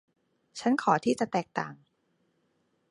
ฉันขอที่จะแตกต่าง